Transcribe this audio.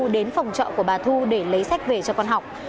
đến phòng trọ của bà thu để lấy sách về cho con học